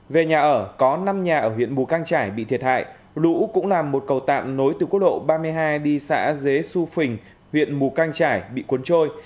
về nhà ở có năm nhà ở huyện mù căng trải bị thiệt hại lũ cũng làm một cầu tạm nối từ quốc lộ ba mươi hai đi xã dế xu phình huyện mù căng trải bị cuốn trôi